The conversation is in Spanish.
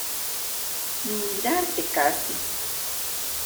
ni mirarte casi.